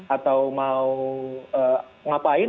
atau mau ngapain